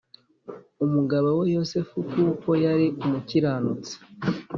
Umugabo we Yosefu kuko yari umukiranutsi